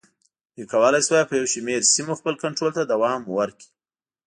دوی کولای شوای په یو شمېر سیمو خپل کنټرول ته دوام ورکړي.